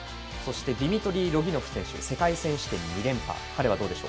ディミトリー・ロギノフ選手、世界選手権２連覇。